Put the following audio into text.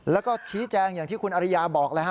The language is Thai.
แล้วก็ชี้แจงอย่างที่คุณอริยาบอกเลยฮ